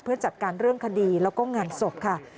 เพื่อจัดการเรื่องคดีแล้วก็งานศพค่ะ